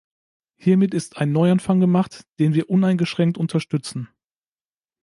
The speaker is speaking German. Hiermit ist ein Neuanfang gemacht, den wir uneingeschränkt unterstützen.